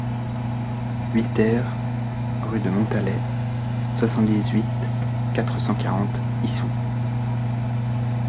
huit TER rue de Montalet, soixante-dix-huit, quatre cent quarante, Issou